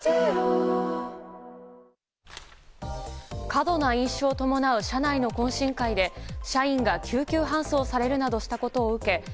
過度な飲酒を伴う社内の懇親会で社員が救急搬送されるなどしたことを受け